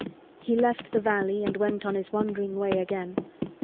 He left the valley and went on his wandering way again.